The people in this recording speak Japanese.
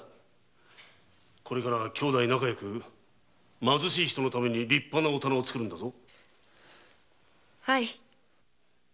これからは姉弟仲よく貧しい人のために立派なお店をつくるんだぞ。